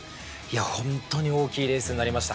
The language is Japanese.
本当に大きいレースになりました。